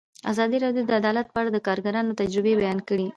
ازادي راډیو د عدالت په اړه د کارګرانو تجربې بیان کړي.